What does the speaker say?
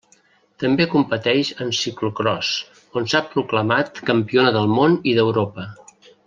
També competeix en ciclocròs, on s'ha proclamat campiona del món i d'Europa.